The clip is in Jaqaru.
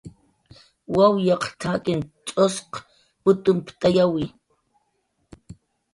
"Wawyaq t""akin t'usq putuptayawi"